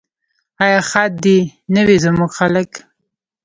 آیا ښاد دې نه وي زموږ خلک؟